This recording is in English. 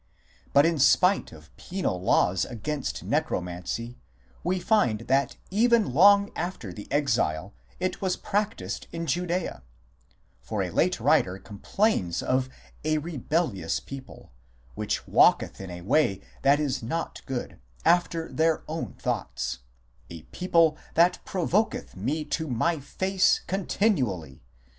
..." But in spite of penal laws against Necromancy, we find that even long after the Exile it was practised in Judaea ; for a late writer complains of a " rebellious people," which walketh in a way that is not good, after their own thoughts ; a people that provoketh Me to My face continually